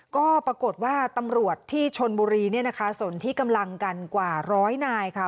ก็ปรากฏว่าตำรวจที่ชนบุรีเนี่ยนะคะสนที่กำลังกันกว่าร้อยนายค่ะ